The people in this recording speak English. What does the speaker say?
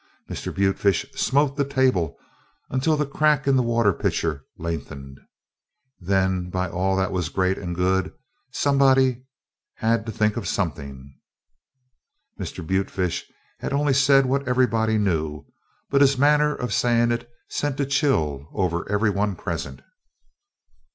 Mr. Butefish smote the table until the crack in the water pitcher lengthened. Then by all that was Great and Good, somebody had to think of something! Mr. Butefish had only said what everybody knew, but his manner of saying it sent a chill over every one present.